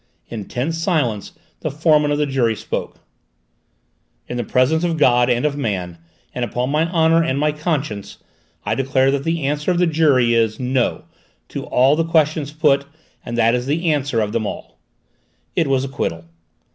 In tense silence the foreman of the jury spoke: "In the presence of God and of man, and upon my honour and my conscience I declare that the answer of the jury is 'no' to all the questions put, and that is the answer of them all." It was acquittal!